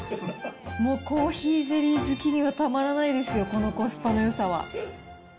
もう、コーヒーゼリー好きにはたまらないですよ、このコスパのよさは。